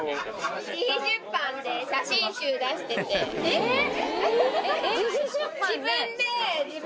えっ？